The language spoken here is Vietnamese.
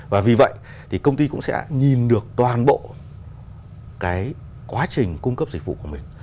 và vì vậy thì công ty cũng sẽ nhìn được toàn bộ cái quá trình cung cấp dịch vụ của mình